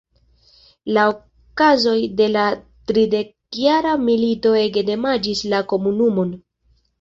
La okazoj de la Tridekjara milito ege damaĝis la komunumon.